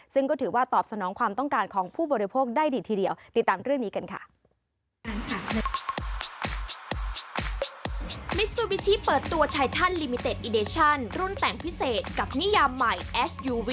ซึ่งก็ถือว่าตอบสนองความต้องการของผู้บริโภคได้ดีทีเดียว